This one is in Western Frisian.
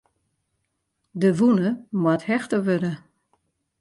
De wûne moat hechte wurde.